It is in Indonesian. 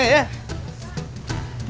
aduh betul kabur